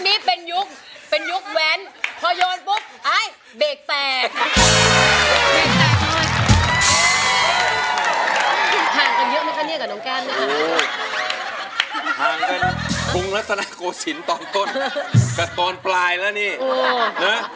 เดี๋ยวก่อนนะคะยุคนี้เป็นยุคแหวนพอโยนปุ๊บอ๊ะเบกแปลก